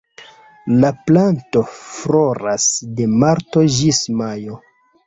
La planto floras de marto ĝis majo.